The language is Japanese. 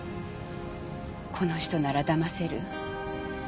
この人ならだませる。